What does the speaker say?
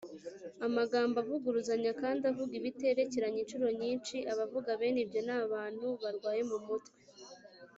amagambo avuguruzanya kandi avuga ibiterekeranye incuro nyinshi abavuga bene ibyo ni abantu barwaye mu mutwe